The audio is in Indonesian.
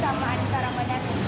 berapa kamu mencari rumah makan ini